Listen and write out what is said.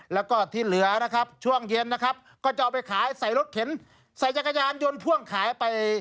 แล้วก็ที่เหลือนะครับช่วงเย็นนะครับก็จะเอาไปขายใส่รถเข็นใส่จักรยานยนต์พ่วงขายไป